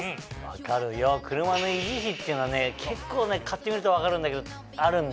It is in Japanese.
分かるよ車の維持費っていうのはね結構買ってみると分かるんだけどあるんだよね。